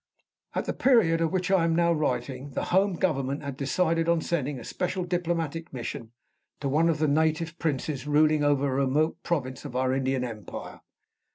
At the period of which I am now writing, the home government had decided on sending a special diplomatic mission to one of the native princes ruling over a remote province of our Indian empire.